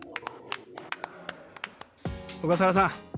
小笠原さん